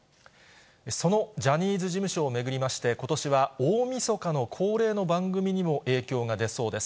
そのジャニーズ事務所を巡りまして、ことしは大みそかの恒例の番組にも影響が出そうです。